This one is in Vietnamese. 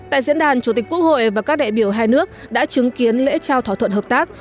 tại diễn đàn chủ tịch quốc hội và các đại biểu hai nước đã chứng kiến lễ trao thỏa thuận hợp tác